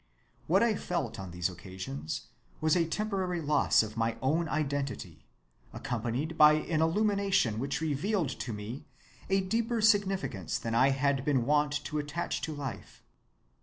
What I felt on these occasions was a temporary loss of my own identity, accompanied by an illumination which revealed to me a deeper significance than I had been wont to attach to life.